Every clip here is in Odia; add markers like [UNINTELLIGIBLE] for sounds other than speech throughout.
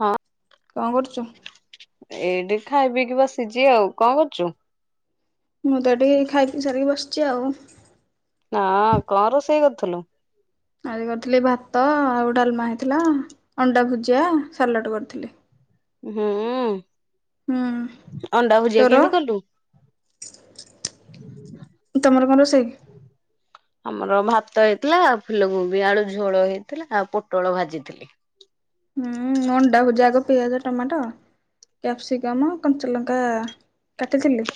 ହଁ କଣ କରୁଛୁ? ଏଇଠି ଖାଇ ପିଇକି ବସିିଝି ଆଉ, କଣ କରୁଛୁ? ମୁଁ ତ ଟିକେ ଖାଇ ପି ସାରିକି ବସିଛି ଆଉ ହଁ କଣ ରୋଷେଇ କରିଥିଲୁ? ଆଜି କରିଥିଲି ଭାତ ଆଉ ଡାଲମା ହେଇଥିଲା ଅଣ୍ଡା ଭୁଜିଆ, ସାଲାଡ କରିଥିଲି। ହୁଁ, ହୁଁ ଅଣ୍ଡା ଭୁଜିଆ ତୋର କେମିତି କଲୁ? ତମର କଣ ରୋଷେଇ? ଆମର ଭାତ ହେଇଥିଲା ଆଉ ଫୁଲକୋବି ଆଳୁ ଝୋଳ ହେଇଥିଲା, ଆଉ ପୋଟଳ ଭାଜିଥିଲି। ହୁଁ, ଅଣ୍ଡା ଭୁଜିଆ ଆଗ ପିଆଜ ଟମାଟ କ୍ୟାପ୍ସିକମ୍, କଞ୍ଚଲଙ୍କା କାଟିଥିଲି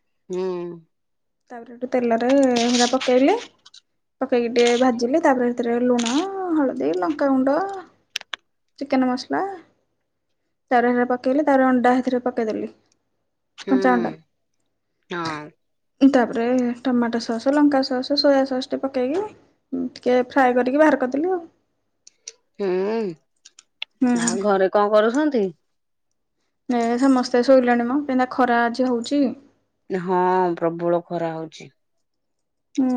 ହୁଁ ତାପରେ ହେଠୁ ତେଲରେ ହେରା ପକେଇଲି ପକେଇକି ଟିକେ ଭାଜିଲେ ତାପରେ ସେଥିରେ ଲୁଣ, ହଳଦୀ, ଲଙ୍କାଗୁଣ୍ଡ ଚିକେନ ମସଲା, ତାରଥିରେ ପକେଇଲି ତା ପରେ ଅଣ୍ଡା ହେଥିରେ ପକେଇଦେଲି ହୁଁ କଞ୍ଚା ଅଣ୍ଡା ହଁ ତାପରେ ଟମାଟୋ ସସ୍, ଲଙ୍କା ସସ୍, ସୋୟା ସସ୍ ପକେଇକି ଟିକେ ଫ୍ରାଏ କରିକି ବାହାର କରିଦେଲି। ହୁଁ ହୁଁ ଆଉ ଘରେ କଣ କରୁଛନ୍ତି? ଏ ସମସ୍ତେ ଶୋଇଲେଣି ମ, କେତା ଖରା ଆଜି ହଉଛି ହଁ, ପ୍ରବଳ ଖରା ହଉଛି। ହୁଁ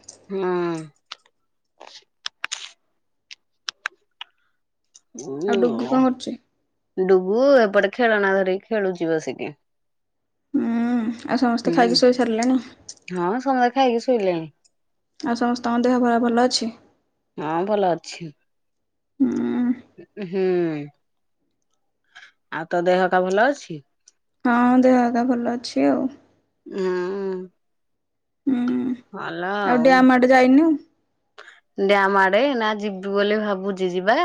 ହଁ ଆଉ ଡୁଗୁ ହ କଣ କରୁଛି ଡୁଗୁ ଏପଟେ ଖେଳନା ଧରିକି ଖେଳୁଛି ବସିକି ହୁଁ ଆଉ ସମସ୍ତେ ହୁଁ ଖାଇକି ଶୋଇ ସାରିଲେଣି। ହଁ ସମସ୍ତେ ଖାଇକି ଶୋଇଲେଣି ଆଉ ସମସ୍ତଙ୍କ ଦେହ ପା ଭଲ ଅଛି? ହଁ ଭଲ ଅଛି। ହଁ ହୁଁ, ଆଉ ତୋ ଦେହହେଇକା ଭଲ ଅଛି? ହଁ ଦେହାଗା ଭଲ ଅଛି ଆଉ ହଁ ହୁଁ ହଲ ଆଉ ଡ୍ୟାମ ଆଡେ ଯାଇନୁ ଡ ମାଡେ ନା ଯ [UNINTELLIGIBLE] ଯିବି ବୋଲି ଭାବୁଛି, ଯିବା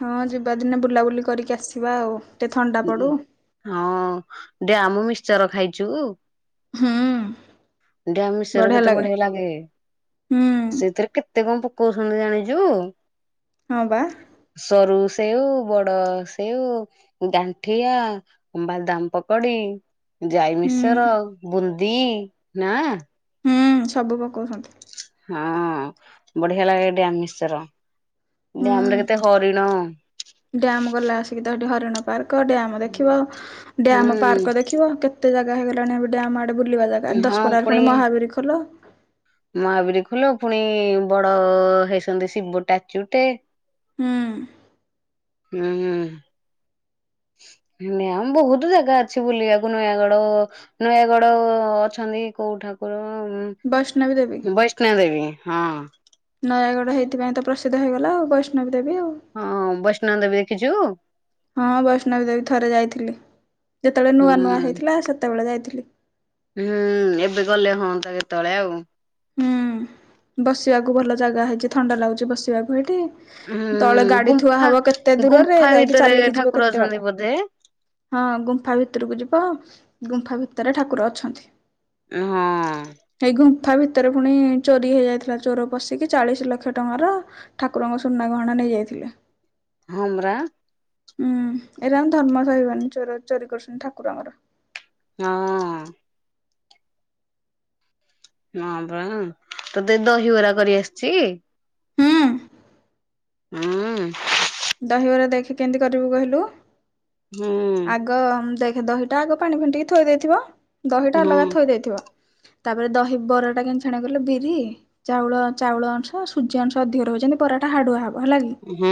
ହଁ ଯିବା ଦିନେ ବୁଲାବୁଲି କରିକି ଆସିବା ଆଉ ଟିକେ ଥଣ୍ଡା ପଡୁ ହଁ ଡ୍ୟାମ ମିକ୍ଚର ଖାଇଛୁ? ହଁ ଡ଼ାମୀଷର ଘର କେତେ ବଢିଆ ଲାଗେ ହୁଁ ସେଥିରେ ସେ କେତେ କଣ ପ କଉଛନ୍ତି ଜାଣିଛୁ ହଁ ବା ସରୁ ସେଉ ବଡ ସେଉ ଗାଣ୍ଠିଆ ବାଦାମ ପକଡି ହୁଁ ଯାଇମିଶ୍ଚର୍ ବୁନ୍ଦି ନା ହୁଁ ସବୁ ପକଉଛନ୍ତି। ହଁ ବଢିଆ ଲାଗେ ଡ୍ୟାମ ମିଶ୍ଚର୍ ଡ୍ୟାମ ହୁଁ ରେ କେତେ ହରିଣ ଡ୍ୟାମ ଗଲା ଆସିକି ତ ସେଠି ହରିଣ ପାର୍କ ଡ୍ୟାମ ହୁଁ ଦେଖିବ ଡ୍ୟାମ ପାର୍କ ଦେଖିବ କେତେ ଜାଗା ହେଇଗଲାଣି ଏ ଡ୍ୟାମ ଟେ ବୁଲିବା ଜାଗା ଦଶ ବରାର ପୁଣି ମହାବୀର ଖୋଲ ମହାବୀର ଖୋଲ ପୁଣି ବଡ ହେଇଛନ୍ତି ଶିବ ଟାଚୁଟେ ହଁ। ହୁଁ ହ। ହଁ। ଆମ ବହୁତ ଜାଗା ଅଛି ବୁଲିବାକୁ ନୟାଗଡ ନୟାଗଡ ଅଛନ୍ତି। କୋଉ ଠାକୁର ବୈଷ୍ଣବୀ ଦେବୀ ବୈଷ୍ଣ ଦେବୀ ହଁ। ନୟାଗଡ଼ ହେଇଥି ପାଇଁ ତ ପ୍ରସିଦ୍ଧ ହେଇଗଲା ଆଉ ବୈଷ୍ଣବୀ ପା ହଁ ବୈଷ୍ଣ ଦେବି ଦେଖିଛୁ? ହଁ ବୈଷ୍ଣବ ଦେବୀ ଥରେ ଯାଇଥିଲି ଯେତେବେଳେ ନୂଆ ନୂଆ ହେଇଥିଲା ସେତେବେଳେ ଯାଇଥିଲି। ହୁଁ ଏବେ ଗଲେ ହୁଅନ୍ତା କେତେବେଳେ ଆଉ ହୁଁ ବସିବାକୁ ଭଲ ଜାଗା ହେଇଛି ଥଣ୍ଡା ଲାଗୁଛି ବସିବାକୁ ଏଇଠି ତଳେ ହୁଁ ଗାଡି ଥୁଆ ଗୁମ୍ଫା ହବ କେତେ ଦୂରରେ ଗୁମ୍ଫା ଯାଇକି ଭିତରେ ଚାଲିକି ଯିବ ଠାକୁର କେତେ ଅଛନ୍ତି ବାଟ ବୋଧେ ହଁ ଗୁମ୍ଫା ଭିତରକୁ ଯିବ ଗୁମ୍ଫା ଭିତରେ ଠାକୁର ଅଛନ୍ତି। ହଁ। ଏଇ ଗୁମ୍ଫା ଭିତରେ ପୁଣି ଚୋରି ହେଇଯାଇଥିଲା ଚୋର ପଶିକି ଚାଳିଶ ଲକ୍ଷ ଟଙ୍କାର ଠାକୁରଙ୍କ ସୁନା ଗହଣା ନେଇଯାଇଥିଲା। [INAUDIBLE] ହ ପରା ହୁଁ ଏଇରାଙ୍କୁ ଧର୍ମ ସହିବନ ଚୋରି କରୁଛନ୍ତି ଠାକୁରଙ୍କର ହଁ। ହଁ ବା ତତେ ଦହିିବରା କରି ଆସିଛି? ହଁ। ହୁଁ। ଦହିବରା ଦେଖି କେମିତି କରିବୁ କହିଲୁ ହୁଁ ଆଗ ଦେ ଦହିଟା ଆଗ ପାଣି ଫେଣ୍ଟିକି ଥୋଇ ଦେଇଥିବ ଦହିଟା ହୁଁ ଅଲଗା ଥୋଇ ଦେଇଥିବ। ତାପରେ ଦହି ବରାଟା କେମତି ଛନିବ କହୀଲ ବିରି ଚାଉଳ ଚାଉଳ ଅଂଶ ସୂଜି ଅଂଶ ଅଧିକ ରହ ଯେମିତି ବରାଟା ହାଡୁଆ ହେବ ହୁଁ।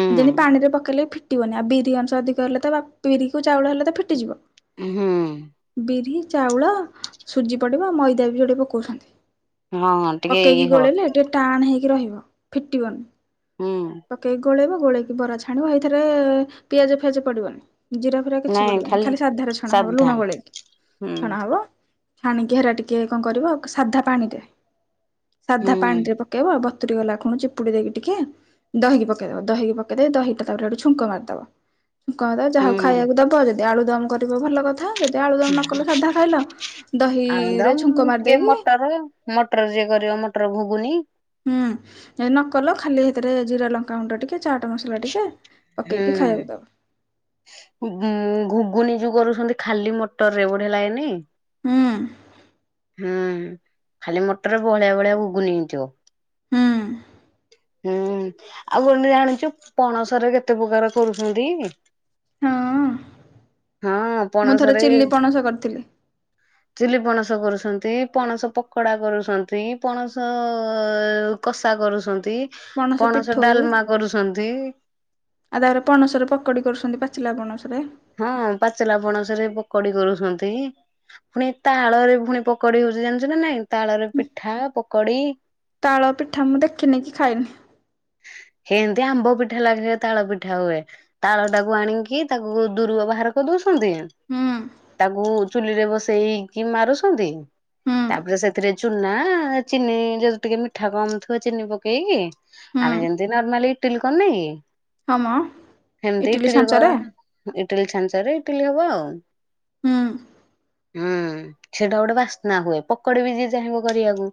ପକେଇଲେ ଫିଟିବନି ଆ ବିରି ଅଂଶ ଅଧିକ ହେଲେ ତ ବିରିକୁ ଚାଉଳ ହେଲେ ତ ଫିଟିଯିବ। ହୁଁ। ବିରି ଚାଉଳ ସୁଜି ପଡିବା ମଇଦା ବି ଯୋଉଟା ପକଉଛନ୍ତି। ହଁ ଟିକେ ପକେଇକି ଇଏ ହବ ଗୋଳେଇଲେ ଟିକେ ଟାଣ ହେଇକି କି ରହିବ ଫିଟିବନି ହୁଁ ପକେଇକି ଗୋଳେଇବ ଗୋଳେଇକ ବରା ଛାଣିବ ଏଇଥରେ ପିଆଜ ଫିଆଜ ପଡିବନି ଜିରା ଫିରା କିଛି ପଡିବନି ଖାଲି ସାଧାରେ ଛଣା ହବ ସାଧା ଲୁଣ ଗୋଳେଇକି ହୁଁ ଛଣା ହବ ଚ୍ଛାଣିକି ହେରା ଟିକେ କଣ କରିବ ସାଧା ପାଣିରେ ହୁଁ ସାଧା ପାଣି ରେ ପକେଇବ ବତୁରି ଗଲା ଖୁଣୁ ଚିପୁଡି ଦେଇକି ଟିକେ ଦହିକି ପକେଇ ଦବା ଦହିକି ପ କେଇ ଦେଇକି ଦହିଟା ତାପରେ ହେଟୁ ଛୁଙ୍କ ମାରିଦବ। ଛୁଙ୍କ ମାରିଦବ ଯାହାକୁ ହୁଁ ଖାଇବାକୁ ଦବ ଯଦି ଏ ଆଳୁ ଦମ୍ କରିବ ଭଲ କଥା ଯଦି ଆଳୁ ଦମ ନ କଲ ସାଧା ଖାଇଲ ଦହିରେ ଛୁଙ୍କ ଆଳୁଦମ ଟିକେ ମାରିଦେଇକି ମଟର [UNINTELLIGIBLE] ମଟର ଘୁ ହୁଁ ଯଦି ନକଲ ଖାଲି ହେଥିରେ ଜିରା ଲଙ୍କାଗୁଣ୍ଡ ଟିକେ ଚାଟ ମସଲା ଟିକେ ହୁଁ ପକେଇକି ଖାଇବାକୁ ଦବ ଘୁ ଗୁଗୁନି ଯୋଉ କରୁଛନ୍ତି ଖାଲି ମୋଟର ରେ ବୁଢଆ ଲାଗନି ହଁ ହୁଁ ଖାଲି ମଟର ଭଳିଆ ଭଳିଆ ଉଗୁନି ହେଇଥିବ ହୁଁ ହୁଁ ଆଉ କଣ ଜାଣିଛୁ ପଣସାର କେତେ ପ୍ରକାର କରୁଛନ୍ତି ହଁ ହଁ ମୁଁ ଥରେ ପଣସରେ ଚିଲି ପଣସ କରିଥିଲି ଚିଲି ପଣସ କରୁଛନ୍ତି ପଣସ ପକୋଡା କରୁଛନ୍ତି ପଣସ କଷା କରୁଛନ୍ତି ପଣସ ଡାଲମା କରୁଛନ୍ତି ଆଉ ତାହରେ ପଣସରେ ପକୋଡି କରୁଛନ୍ତି ପାଚିଲା ପଣସରେ ହଁ ପାଚିଲା ପଣସରେ ପକୋଡି କରୁଛନ୍ତି ପୁଣି ତାଳ ରେ ପୁଣି ପକୋଡି ଜାଣିଛୁ ନା ନାଇଁ ତାଳରେ ପିଠା ପକୋଡି ତାଳ ପିଠା ମୁଁ ଦେଖିନି କି ଖାଇନି ହେ ଏମିତି ଆମ୍ବ ପିଠା ଲାଗେେ ତାଳ ପିଠା ହୁଏ ତାଳ ଟାକୁ ଆଣିକି ତାକୁ ଦୂରୁ ବାହାର କରି ଦଉ ହୁଁ ତାକୁ ଚୁଲିରେ ବସେଇକି ମାରୁଛନ୍ତି ହୁଁ ତାପରେ ସେଥିରେ ଚୁନା ଚିନି ଯି ଟିକେ ମିଠା କମ ଥିବ ଚିନି ପକେଇକି ହୁଁ ଆମେ ଯେମିତି ନର୍ମାଲି ଟିଲ କରନ ହଁ ମ କି ଏମିତି ଇଟିଲି ଇଟିଲି ଛାନରେ ଇଟିଲି ହବ ଆଉ ହଁ ହୁଁ ସେଟା ଗୋଟେ ବାସ୍ନା ହୁଏ ପକୋଡେ ବି ଯିଏ ଚାହିଁବ କରିବାକୁ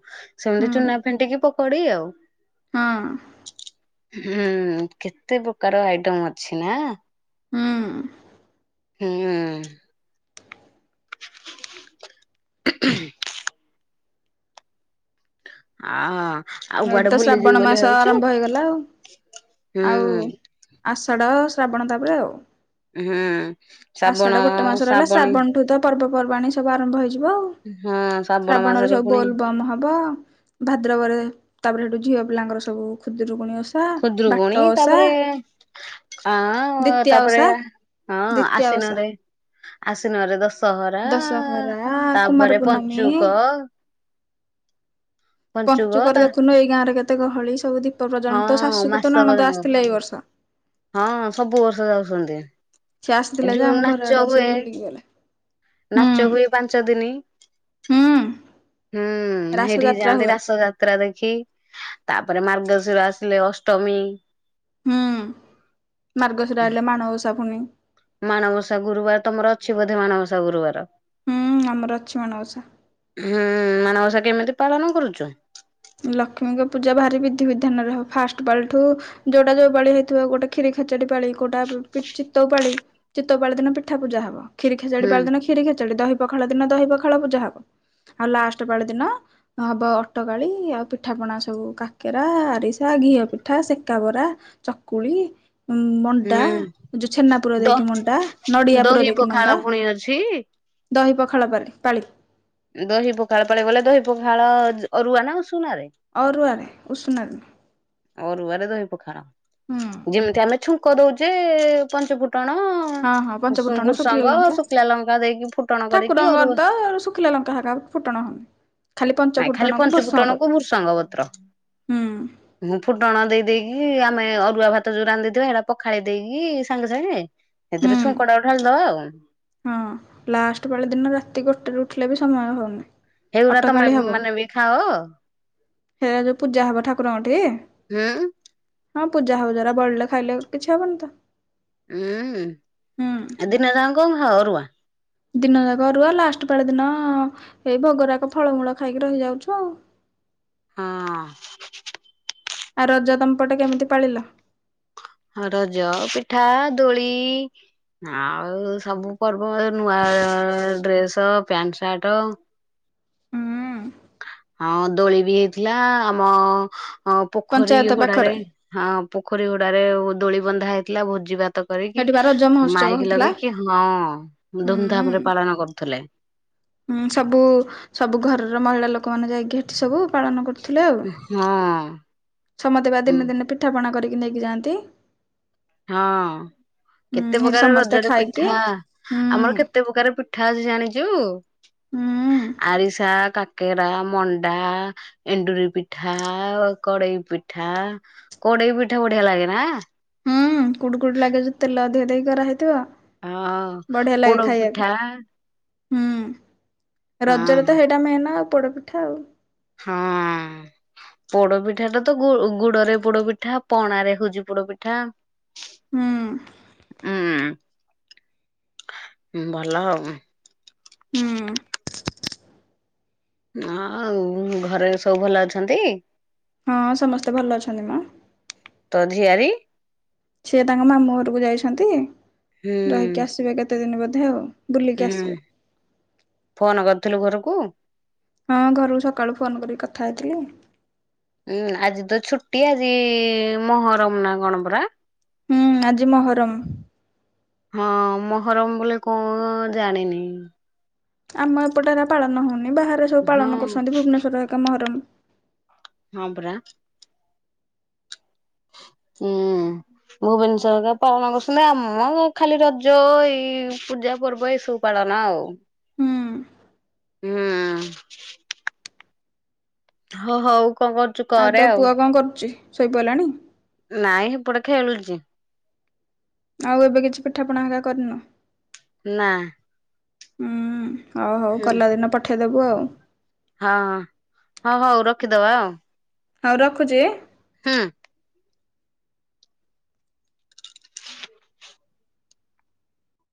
ସେମିତି ହୁଁ ଚୁନା ଫେଣ୍ଟିକି ପକୋଡି ଆଉ ହଁ ହୁଁ କେତେ ପ୍ରକାର ଆଇଟମ ଅଛି ନା ହୁଁ ହୁଁ ହଁ ଏଇଠି ତ ଶ୍ରାବଣ ମାସ ଆରମ୍ଭ ହେଇଗଲା ହୁଁ ଆଉ ଆଉସ ଷଡ଼ ଶ୍ରାବଣ ତାପରେ ଆଉ ହୁଁ ଶ୍ରାବଣ ଆଷାଢ ଗୋଟେ ମାସ ର ହେଲା ଶ୍ରାବଣୀ ଶ୍ରାବଣଠୁ ତ ପର୍ବପର୍ବାଣୀ ସବୁ ଆରମ୍ଭ ହେଇଯିବ ଆଉ ହଁ ଶ୍ରାବଣ ଶ୍ରାବଣରେ ମାସରେ ସବୁ ପୁଣି ବୋଲ୍ ବମ ହବ ଭାଦ୍ରବରେ ତାପରେ ସେଠୁ ଝିଅବ ପିଲାଙ୍କରବୁଦରୁକୁୁଣି ଖୁଦ୍ରରୁକୁଣୀ ତାପରେ ଆ ଦ୍ଵିତୀୟା ତାପରେ ଓଷା ହଁ ଦ୍ଵିତୀୟା ଓଷା ଆସ ିନରେ ଆଶନରେ ଦଶ ସହରା ଦଶହରା କୁମାର ତାପରେ ପୂର୍ଣ୍ଣମୀ ପଞ୍ଚୁକ ପଞ୍ଚୁକ ପଞ୍ଚୁକର ତା ଦେଖୁନୁ ଏଇ ଗାଁ ରେ କେତେ ଗହଳି ସବୁ ଦୀପ ପ୍ରଜ ହଁ ତ ଶାଶୁକୁ ତ ମାସକ ନଣଦା ଯାକ ଆସିଥିଲା ଏଇ ବର୍ଷ ହଁ ସବୁ ର୍ଷଧ ଷଛନ୍ତି ସେିଏ ଆସିଥିଲା ଯା ଆମ ଘର ଆଡେ ଆସିକି ବୁଲିକି ଗଲେ ହୁଁ ନାଚ ହୁଏ ପାଞ୍ଚ ଦିନି ହୁଁ ହୁଁ ରାସ ସେଇଠିକି ଯାତ୍ରା ଯାଆନ୍ତି ହୁଏ ରାସ ଯାତ୍ରା ଦେଖି ତାପରେ ମାର୍ଗଶିର ଆସିଲେ ଅଷ୍ଟମୀ ହୁଁ ମାର୍ଗଶିର ହେଲେ ମାଣବସା ପୁଣି ମାଣବସା ଗୁରୁବାର ତମର ଅଛି ବୋଧେ ମାଣବସା ଗୁରୁବାର ହୁଁ ଆମର ଅଛି ମାଣଉସା ହୁଁ ମାନବସା କେମିତି ପାଳନ କରୁଛୁ ଲକ୍ଷ୍ମୀଙ୍କ ପୂଜା ଭାରି ବିଧି ବିଧାନରେ ହବ ଫାଷ୍ଟ ବାଳ ଠୁ ଯୋଉଟା ଯୋଉ ବାଳ ହେଇଥିବ ଗୋଟେ କ୍ଷୀ ଖେଚଡି ପାଳି କଉଟା ଚିତଉ ପାଳି ଚିତଉ ପାଳି ଦିନ ପିଠା ପୂଜା ହବ କ୍ୀ ଖୋଡ଼ି ହୁଁ ପାରିନ କଷୀୋ ଦ ପଖାଳ ଦିନ ଦହି ପଖାଳ ପୂଜା ହବ ଆଉ ଲାଷ୍ଟ ବଳ ଦିନ ହବ ଅଟ ଳି ଆଉ ପିଠା ପଣା ସବୁ କାକେରା ଆରିସା ଘିଅ ପିଠା ସେକା ବରା ଚକୁଳି ଉଁ ମଣ୍ଟା ହୁଁ ଯୋଉ ଛେନା ପୁର ଦ ଦେଇକି ମଣ୍ଟା ନଡିଆ ପୁର ଦହି ଦେଇକି ପଖାଳ ମଣ୍ଟା ପୁଣି ଅଛି ଦହି ପଖାଳ ପରେ ପାଳି ଦହି ପଖାଳ ପଳେଇ ଗଲେ ଦହି ପଖାଳ ଅରୁଆ ନା ଉଷୁନାରେ? ଅଔଆରେ ଉ ସୁ ନରମ ଅରୁଆରେ ଦହି ପଖାଣ ଯେମିତି ଆମେ ଛୁଙ୍କ ଦଉଛେ ପଞ୍ଚ ଫୁଟ ଫୁଟଣ ହଁ ହଁ ପଞ୍ଚଫୁଟଣ ଶୁଖିଲା ବୁର୍ସଙ୍ଗ ଲଙ୍କା ଶୁଖିଲା ଲଙ୍କା ଦେଇକି ଫୁଟଣ କରିକି ଠାକୁରଙ୍କର ଅରୁଆ ତ ଶୁଖିଲା ଲଙ୍କା ହେ ଫୁଟଣା ହନି ନାଇ ଖାଲି ପଞ୍ଚ ଫୁଟଣ କୁ ଭୃସଙ୍ଗ ପତ୍ର ହୁଁ ମୁଁ ଫୁଟଣ ଦେଇ ଦେଇେଇକି ଆମେ ଅରୁଆ ଭାତ ଯୋଉ ରାନ୍ଧିଥଥିବା ସେଇଟା ପଖାଳି ଦେଇକି ସାଙ୍ଗେ ସାଙ୍ଗେ ହୁଁ ସେଥିରୁ ଛୁ କଡା ଉଠାଣିଦବା ଆଉ। ହଁ ଲାଷ୍ଟ ବଳେ ଦିନ ରାତି ଗୋଟେ ର ଉଠିଲେ ବି ସମୟ ହଉନି ହେଗୁଡ଼ା ତମେ ମାନେ ବି ଖାଅ ହେ ଯୋ [UNINTELLIGIBLE] ପୂଜା ହବ ଠାକୁରଙ୍କଠି ହୁଁ ହଁ ପୂଜାହଉ ଯୋଗୁଡ଼ା ବଳିଲେ ଖାଇଲେ କିଛି ହବନି ତ ହୁଁ ହୁଁ ଏ ଦିନେ ସା କଣ ଖ ଅରୁଆ [UNINTELLIGIBLE] ଦିନ ଯାକ ଅରୁଆ ଲାଷ୍ଟ ପାଳି ଦିନ ଏଇ ଭୋଗରାକ ଫଳମୂଳ ଖାଇକି ରହିଯାଉଛୁ ଆଉ। ହ [INAUDIBLE] ହଁ। ଆଉ ରଜ ତମପଟେ କେମିତି ପାଳିଲ ହଁ ରଜ ପିଠା ଦୋଳି ଆଉ ସବୁ ପର୍ବ ନୂଆ ଡ୍ରେସ ପ୍ୟାଣ୍ଟ ସାର୍ଟ ହୁଁ ହଁ ଦୋଳି ବି ହେଇଥିଲା ଆମ ହଁ ପୋଖରୀ ପଞ୍ଚାୟତ ହୋଡାରେ ପାଖରେ ହଁ ପୋଖରୀ ହୋଡାରେ ଦୋଳି ବନ୍ଧା ହେଇଥିଲା ଭୋଜି ଭାତ କରିକି ସେଠି ବା ରଜ ମହୋତ୍ସବ ମାଇକ ହଉଥିଲା ଲଗେଇକି ହଁ ଧୁମଧାମ ହୁଁ। ରେ ପାଳନ କରୁଥିଲେ ହୁଁ ସବୁ ସବୁ ଘରର ମହିଳା ଲୋକମାନେ ଯାଇକି ସେଠି ସବୁ ପାଳନ କରୁଥିଲେ ଆଉ ହଁ ସମସ୍ତେ ବା ଦିନେ ଦିନେ ପିଠାପଣା କରିକି ନେଇକି ଯାଆନ୍ତି ହଁ। ହୁଁ କେତେ ହେଠି ପ୍ରକାର ସମସ୍ତେ ରଜରେ ଖାଇକି ପିଠା ହୁଁ ଆମର କେତେ ପ୍ରକାର ପିଠା ଅଛି ଜାଣିଛୁ ହୁଁ ଆରିସା କାକେରା ମଣ୍ଡା ଏଣ୍ଡୁରି ପିଠା କଡେଇ ପିଠା କଡେଇ ପିଠା ବଢିଆ ଲାଗେ ନା କୁଡ଼ୁ କୁଡ଼ୁ ଲାଗେ ଯୋଉ ତେଲ ଅଧିକା ଦେଇ କରାହେଇଥିବ ହଁ ବଢିଆ ଲାଗେ ପୋଡ଼ ଖାଇବାକୁ। ପିଠା ହୁଁ ରଜରେ ହଁ ତ ସେଇଟା ମେନ ଆଉ ପୋଡପିଠା ଆଉ ହଁ ପୋଡପିଠା ଟା ତ ଗୁଡରେ ପୋଡ ପିଠା ପଣାରେ ହଉଛି ପୋଡପିଠା ହୁଁ ଭଲ ଆଉ ହୁଁ ହଁ ଆଉ ଘରେ ସବୁ ଭଲ ଅଛନ୍ତି। ହଁ ସମସ୍ତେ ଭଲ ଅଛନ୍ତି ମ ତୋ ଝିଆରୀ ସିଏ ତାଙ୍କ ମାମୁଁ ଘରକୁ ଯାଇଛନ୍ତି ହୁଁ ରହିକି ଆସିବେ କେତେ ଦିନ ବୋଧେ ଆଉ ବୁଲିକି ହୁଁ ଆସିବେ। ଫୋନ କରିଥିଲୁ ଘରକୁ ହଁ ଘରକୁ ସକାଳୁ ଫୋନ କରିକି କଥା ହେଇଥିଲି। ହୁଁ ଆଜି ତ ଛୁଟି ଆଜି ମହରମ ନା କଣ ପରା? ହୁଁ ଆଜି ମହରମ ହଁ ମହରମ ବୋଲି କଣ ଜାଣିନି? ଆମ ଏପଟେ ଏରା ପାଳନ ହଉନି ବାହାରେ ସବୁ ହଁ ପାଳନ କରୁଛନ୍ତି ଭୁବନେଶ୍ୱର ଏକ ମହରମ ହଁ ପରା। ହୁଁ। ଭୁବନେଶ୍ଵର ପାଳନ କରୁଛନ୍ତି ଆମ ଖାଲି ରଜ ଏଇ ପୂଜା ପର୍ବ ଏଇ ସବୁ ପାଳନ ଆଉ। ହୁଁ ହୁଁ। ହଁ ହଉକ। ଆଉ ତୋ ପୁଅ କଣ କରୁ ଶୋଇପଢ଼ିଲାଣି। ନାଇଁ ସେପଟେ ଖେଳୁଛି। ଆଉ ଏବେ କିଛି ପିଠାପଣା ହରିକା କରିନ? ନା। ହୁଁ। ହଉ ହଉ ହୁଁ କଲା ଦିନ ପଠେଇଦେବୁ ଆଉ। ହଁ ହଁ ହଉ ହଉ ରଖିଦବା। ହଉ ରଖୁଛି। ହୁଁ।